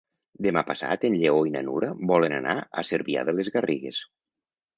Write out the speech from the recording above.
Demà passat en Lleó i na Nura volen anar a Cervià de les Garrigues.